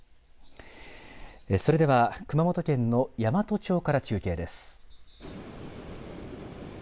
それでは熊本県の山都町から中継です。